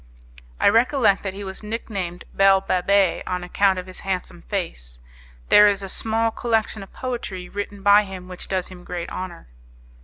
I recollect that he was nicknamed 'Belle Babet,' on account of his handsome face. There is a small collection of poetry written by him which does him great honour."